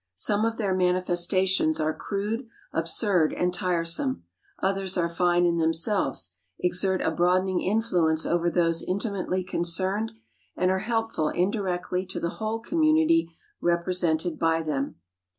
Some of their manifestations are crude, absurd and tiresome; others are fine in themselves, exert a broadening influence over those intimately concerned, and are helpful indirectly to the whole community represented by them.